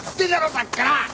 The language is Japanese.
さっきから。